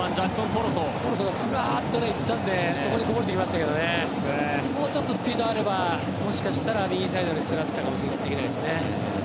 ポロソがフラッといったのでそこにこぼれましたがもうちょっとスピードあればもしかしたら右サイドにそらせたかもしれないですね。